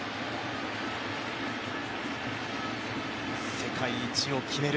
世界一を決める